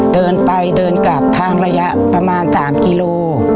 เดินไปเดินกลับทางระยะประมาณ๓กิโล